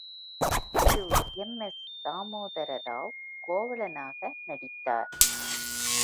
திரு எம்.எஸ்.தாமோதரராவ் கோவலனாக நடித்தார்.